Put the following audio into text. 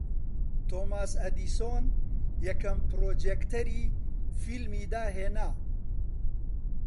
تۆماس ئەدیسۆن یەکەم پڕۆجێکتەری فیلمی داھێنا